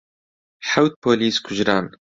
حەوت پۆلیس کوژران.